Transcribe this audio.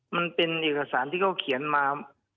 มันเป็นเอกสารที่เขาเขียนมา